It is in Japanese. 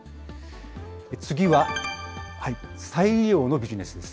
次は、再利用のビジネスです。